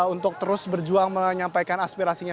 untuk terus berjuang menyampaikan aspirasinya